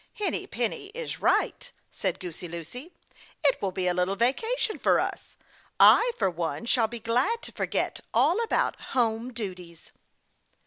"Henny Penny is right," said Goosey Lucy. "It will be a little vacation for us. I, for one, shall be glad to forget all about home duties."